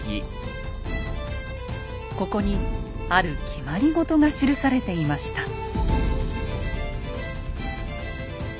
ここにある決まり事が記されていました。